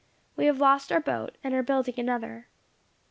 We have lost our boat, and are building another.